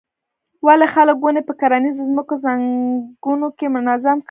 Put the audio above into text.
ولې خلک ونې په کرنیزو ځمکو څنګونو کې منظم کري.